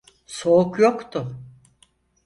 Soğuk yoktu…